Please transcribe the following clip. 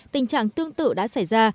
tình trạng tương tự đã xảy ra